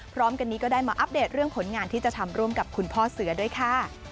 พร้อมกันนี้ก็ได้มาอัปเดตเรื่องผลงานที่จะทำร่วมกับคุณพ่อเสือด้วยค่ะ